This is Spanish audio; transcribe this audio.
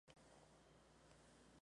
Es una de sus obras más famosas.